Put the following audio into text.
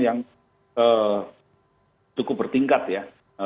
yang cukup bertingkat ya